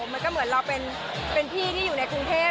มันก็เหมือนเราเป็นพี่ที่อยู่ในกรุงเทพ